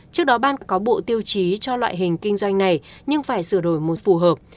trước đó ban có bộ tiêu chí cho loại hình kinh doanh này nhưng phải sửa đổi một phù hợp